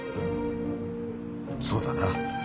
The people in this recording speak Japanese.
そうだな。